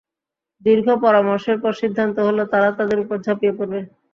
দীর্ঘ পরামর্শের পর সিদ্ধান্ত হল, তারা তাদের উপর ঝাপিয়ে পড়বে।